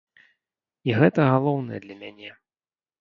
І гэта галоўнае для мяне.